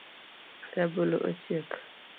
Rabolo ochiek